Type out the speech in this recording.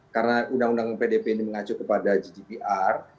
karena undang undang pdp ini mengacu kepada ggpr